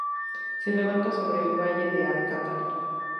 Se levanta sobre el valle de Alcántara.